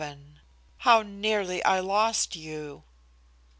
XXVII "HOW NEARLY I LOST YOU!"